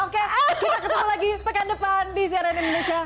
oke kita ketemu lagi pekan depan di cnn indonesia